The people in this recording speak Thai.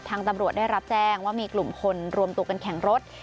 ตำรวจได้รับแจ้งว่ามีกลุ่มคนรวมตัวกันแข่งรถ